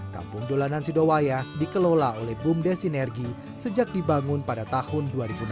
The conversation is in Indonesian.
kampung dolanan sidowaya dikelola oleh bumdes sinergi sejak dibangun pada tahun dua ribu enam belas